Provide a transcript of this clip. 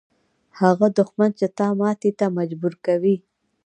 هغه دښمن چې تا ماتې ته مجبوره کوي.